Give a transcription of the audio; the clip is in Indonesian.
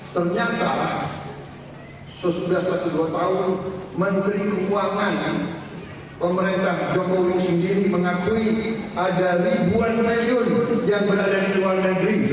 ternyata sudah satu dua tahun menteri keuangan pemerintah jokowi sendiri mengakui ada ribuan milion yang berada di luar negeri di luar negara